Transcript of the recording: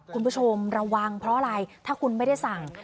คุณผู้ชมระวังเพราะอะไรถ้าคุณไม่ได้สั่ง